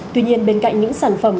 tuy nhiên bên cạnh những sản phẩm